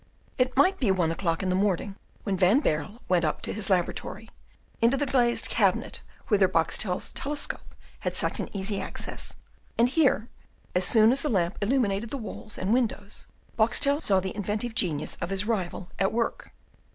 It might be one o'clock in the morning when Van Baerle went up to his laboratory, into the glazed cabinet whither Boxtel's telescope had such an easy access; and here, as soon as the lamp illuminated the walls and windows, Boxtel saw the inventive genius of his rival at work.